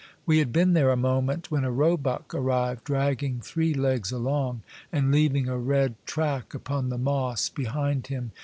We had been there a moment when a roebuck arrived dragging three legs along, and leaving a red track upon the moss behind him.